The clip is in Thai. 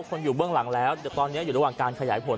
คนอยู่เบื้องหลังแล้วเดี๋ยวตอนนี้อยู่ระหว่างการขยายผล